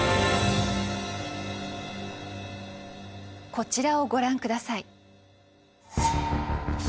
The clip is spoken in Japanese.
こちらをご覧下さい。